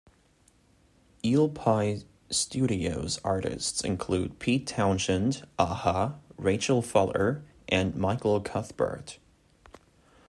Eel Pie Studios' artists include Pete Townshend, A-ha, Rachel Fuller and Michael Cuthbert.